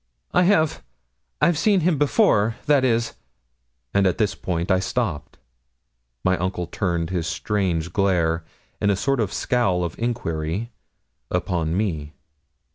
'I have I've seen him before that is;' and at this point I stopped. My uncle turned his strange glare, in a sort of scowl of enquiry, upon me.